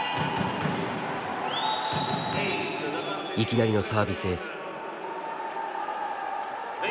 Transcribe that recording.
いきなりのサービスエース。